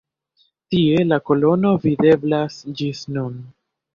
Tie la kolono videblas ĝis nun.